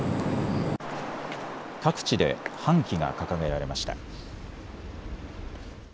各地で半旗が掲げられました。